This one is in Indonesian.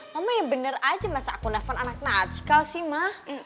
mama ya benar aja masa aku telepon anak natsikal sih ma